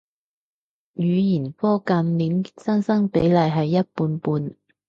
語言科近年新生比例係一半半